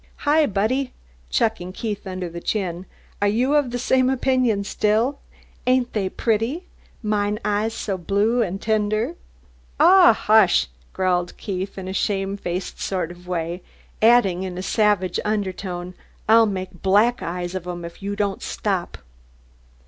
Hi, Buddy," chucking Keith under the chin, "are you of the same opinion still? Ain't they pretty, 'mine eyes so blue and tender?'" "Aw, hush!" growled Keith, in a shamefaced sort of way, adding, in a savage undertone, "I'll make black eyes of 'em if you don't stop."